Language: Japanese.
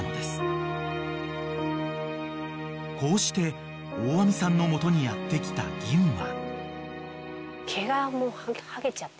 ［こうして大網さんの元にやって来たぎんは］